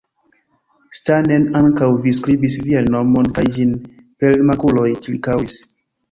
Stanen, ankaŭ vi skribis vian nomon kaj ĝin per makuloj ĉirkaŭis!